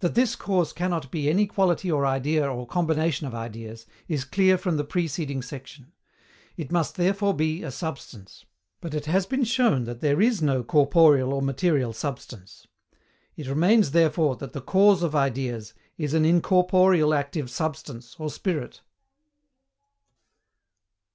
That this cause cannot be any quality or idea or combination of ideas, is clear from the preceding section. It must therefore be a substance; but it has been shown that there is no corporeal or material substance: it remains therefore that the CAUSE OF IDEAS is an incorporeal active substance or Spirit.